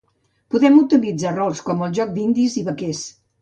Podem utilitzar rols, com en el joc d'indis i vaquers